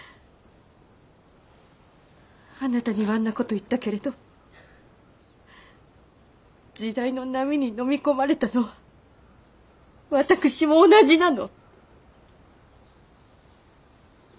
あなたにはあんな事言ったけれど時代の波にのみ込まれたのは私も同じなの。